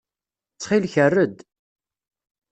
Ttxil-k err-d.